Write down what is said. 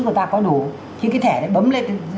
của ta có đủ thì cái thẻ đấy bấm lên